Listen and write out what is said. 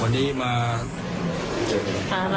วันนี้มา